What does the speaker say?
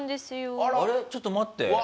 ちょっと待って。